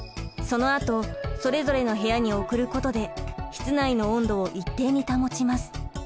そのあとそれぞれの部屋に送ることで室内の温度を一定に保ちます。